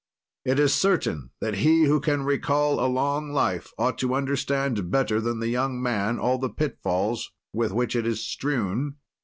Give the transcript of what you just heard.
"It is certain that he who can recall a long life ought to understand better than the young man all the pitfalls with which it is strewn.